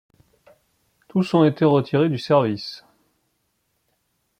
Tous ont été retirés du service.